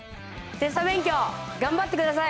テスト勉強、頑張ってください。